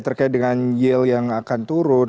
terkait dengan yield yang akan turun